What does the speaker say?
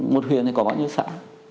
một huyện thì có bao nhiêu xã